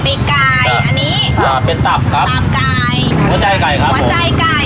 ไก่อันนี้อ่าเป็นตับครับตับไก่หัวใจไก่ครับหัวใจไก่